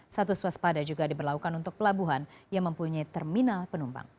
status waspada juga diberlakukan untuk pelabuhan yang mempunyai terminal penumpang